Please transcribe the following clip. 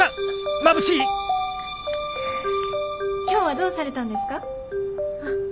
今日はどうされたんですか？